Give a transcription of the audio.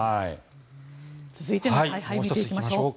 続いての采配を見ていきましょう。